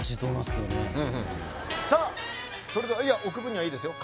それではいや置く分にはいいですよ